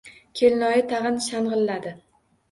Kelinoyi tag‘in shang‘illadi.